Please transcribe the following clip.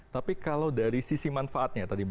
tapi kalau dari sisi manfaatnya tadi mbak